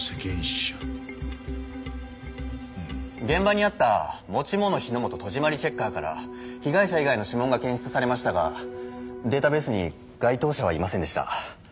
現場にあった持ち物火の元戸締りチェッカーから被害者以外の指紋が検出されましたがデータベースに該当者はいませんでした。